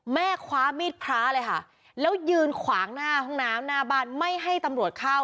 คว้ามีดพระเลยค่ะแล้วยืนขวางหน้าห้องน้ำหน้าบ้านไม่ให้ตำรวจเข้า